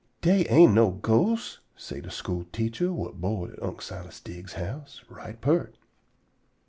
"Dey ain't no ghosts," say de school teacher, whut board at Unc' Silas Diggs's house, right peart.